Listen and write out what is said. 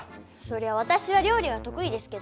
そりゃあ私は料理は得意ですけど。